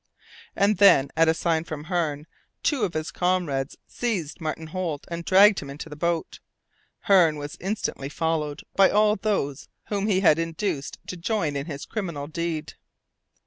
And then, at a sign from Hearne, two of his comrades seized Martin Holt and dragged him into the boat. Hearne was instantly followed by all those whom he had induced to join in this criminal deed.